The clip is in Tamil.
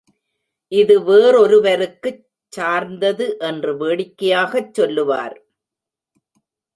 இது வேறொருவருக்குச் சார்ந்தது என்று வேடிக்கையாகச் சொல்லுவார்.